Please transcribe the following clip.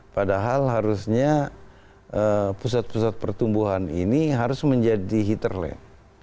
padahal harusnya pusat pusat pertumbuhan ini harus menjadi hitterland